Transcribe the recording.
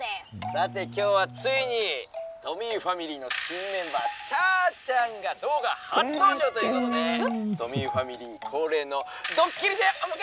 「さて今日はついにトミーファミリーの新メンバーちゃーちゃんが動画初登場ということでトミーファミリー恒例のドッキリでお迎えしたいと思います！」。